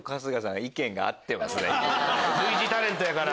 類似タレントやから。